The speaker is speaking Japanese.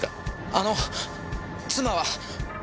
あの妻は？